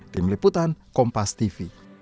di meliputan kompas tv